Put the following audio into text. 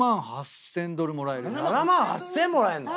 ７万８，０００もらえんの⁉